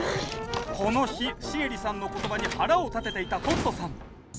この日シエリさんの言葉に腹を立てていたトットさん。